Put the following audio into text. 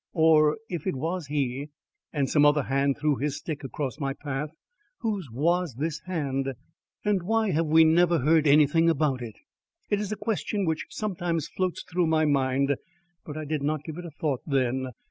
Or if it was he, and some other hand threw his stick across my path, whose was this hand and why have we never heard anything about it? It is a question which sometimes floats through my mind, but I did not give it a thought then.